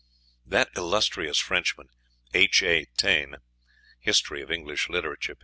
That illustrious Frenchman, H. A. Taine ("History of English Literature," p.